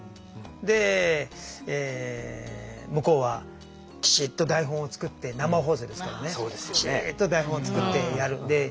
で向こうはきちっと台本を作って生放送ですからねきちっと台本を作ってやる。